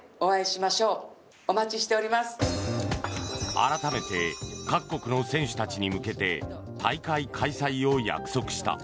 改めて各国の選手たちに向けて大会開催を約束した。